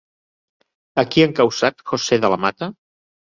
A qui ha encausat José de la Mata?